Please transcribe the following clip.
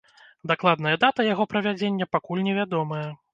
Дакладная дата яго правядзення пакуль невядомая.